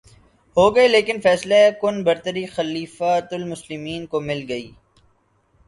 ہوگئے لیکن فیصلہ کن برتری خلیفتہ المسلمین کو مل گئ